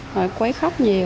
rồi quấy khóc nhiều